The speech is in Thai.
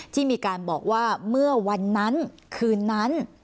ที่มีการบอกว่าเมื่อวันนั้นคืนนั้น